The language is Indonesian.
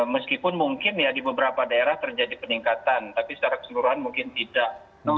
meskipun mungkin ya di beberapa daerah terjadi peningkatan tapi secara keseluruhan mungkin tidak